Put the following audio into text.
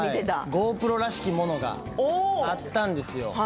ＧｏＰｒｏらしきものがあったんですよ。